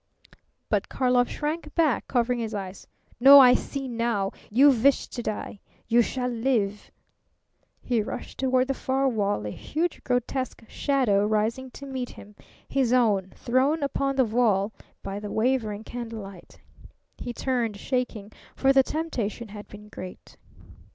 But Karlov shrank back, covering his eyes. "No! I see now! You wish to die! You shall live!" He rushed toward the far wall, a huge grotesque shadow rising to meet him his own, thrown upon the wall by the wavering candlelight. He turned shaking, for the temptation had been great.